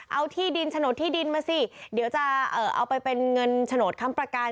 เอาที่ดินโฉนดที่ดินมาสิเดี๋ยวจะเอาไปเป็นเงินโฉนดค้ำประกัน